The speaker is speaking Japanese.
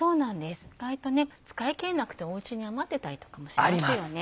意外とね使い切れなくておうちに余ってたりとかもしますよね。